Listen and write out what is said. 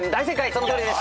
そのとおりです。